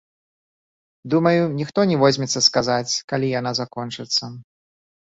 Думаю, ніхто не возьмецца сказаць, калі яна закончыцца.